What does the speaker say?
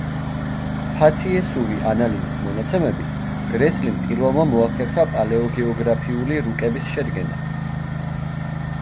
ფაციესური ანალიზის მონაცემებით, გრესლიმ პირველმა მოახერხა პალეოგეოგრაფიული რუკების შედგენა.